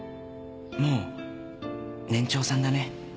「もう年長さんだね」